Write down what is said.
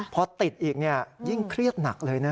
เพราะติดอีกเนี่ยยิ่งเครียดหนักเลยนะ